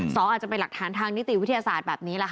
อาจจะเป็นหลักฐานทางนิติวิทยาศาสตร์แบบนี้แหละค่ะ